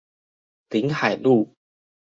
臨海路